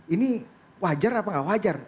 ini wajar apa nggak wajar